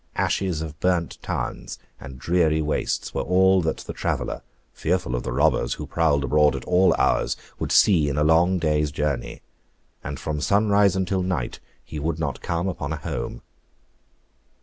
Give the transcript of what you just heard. Ashes of burnt towns, and dreary wastes, were all that the traveller, fearful of the robbers who prowled abroad at all hours, would see in a long day's journey; and from sunrise until night, he would not come upon a home.